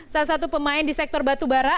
salah satu pemain di sektor batu bara